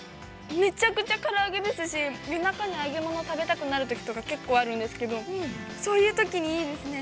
めちゃくちゃから揚げですし、夜中に揚げ物食べたくなるとき、結構あるんですけど、そういうときに、いいですね。